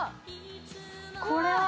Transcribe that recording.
これは。